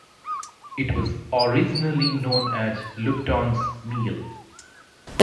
It was originally known as Luptons Mill.